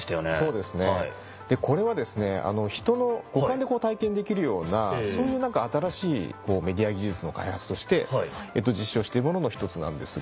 そうですねこれは人の五感で体験できるようなそういう新しいメディア技術の開発として実証しているものの１つなんですが。